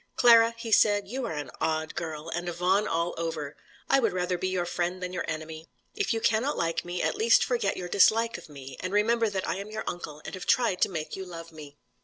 "Clara," he said, "you are an odd girl, and a Vaughan all over. I would rather be your friend than your enemy. If you cannot like me, at least forget your dislike of me, and remember that I am your uncle, and have tried to make you love me."